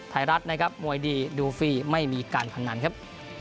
ไทยรัฐนะครับมวยดีดูฟรีไม่มีการพนันครับ